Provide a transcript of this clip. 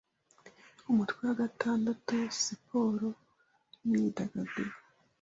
Umutwe wa gatandatu: Siporo n’imyidagaduro